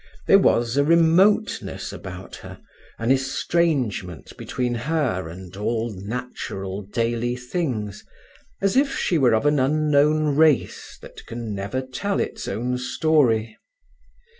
There was a remoteness about her, an estrangement between her and all natural daily things, as if she were of an unknown race that never can tell its own story.